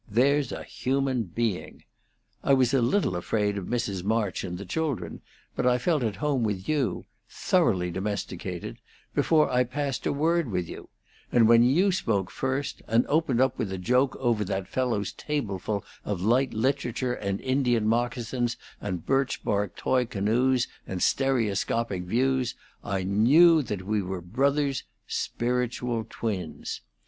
There's a human being.' I was a little afraid of Mrs. March and the children, but I felt at home with you thoroughly domesticated before I passed a word with you; and when you spoke first, and opened up with a joke over that fellow's tableful of light literature and Indian moccasins and birch bark toy canoes and stereoscopic views, I knew that we were brothers spiritual twins.